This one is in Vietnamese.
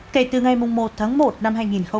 kể từ ngày một tháng một năm hai nghìn một mươi chín